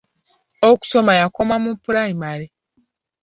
Okusoma yakoma mu pulayimale.